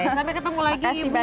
sampai ketemu lagi ibu